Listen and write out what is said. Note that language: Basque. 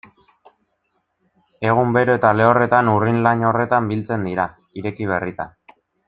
Egun bero eta lehorretan urrin-laino horretan biltzen dira, ireki berritan.